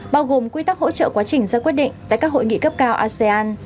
bao gồm quy tắc hỗ trợ quá trình ra quyết định tại các hội nghị cấp cao asean